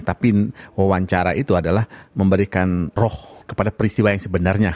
tapi wawancara itu adalah memberikan roh kepada peristiwa yang sebenarnya